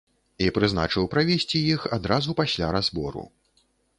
І прызначыў правесці іх адразу пасля разбору.